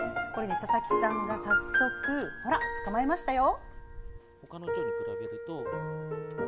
佐々木さんが早速捕まえましたよ。